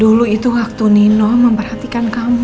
dulu itu waktu nino memperhatikan kamu